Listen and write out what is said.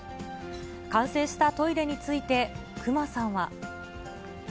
完成したトイレについて、隈さんは。